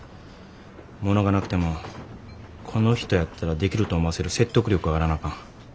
物がなくてもこの人やったらできると思わせる説得力があらなあかん。